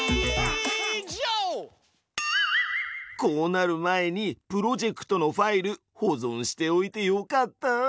こうなる前にプロジェクトのファイル保存しておいてよかった！